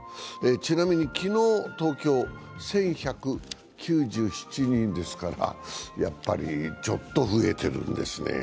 ちなみに昨日、東京、１１９７人ですからやっぱりちょっと増えているんですね。